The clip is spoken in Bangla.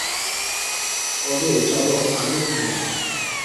তবে, চলো আগে খাই।